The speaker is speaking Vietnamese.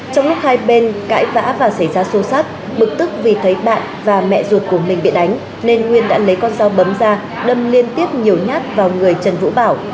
trong lúc hai bên cãi vã và xảy ra xô sát bực tức vì thấy bạn và mẹ ruột của mình bị đánh nên nguyên đã lấy con dao bấm ra đâm liên tiếp nhiều nhát vào người trần vũ bảo